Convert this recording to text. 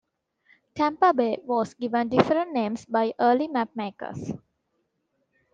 Tampa Bay was given different names by early mapmakers.